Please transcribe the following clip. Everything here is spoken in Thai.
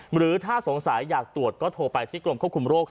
หรือถ้าสงสัยอยากตรวจก็โทรไปที่กรมควบคุมโรค